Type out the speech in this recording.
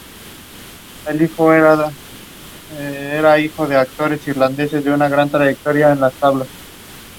The centre was initially a partnership between Eaton's and Cadillac Fairview.